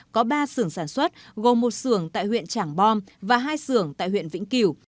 có ba xưởng sản xuất gồm một xưởng tại huyện trảng bom và hai xưởng tại huyện vĩnh kiểu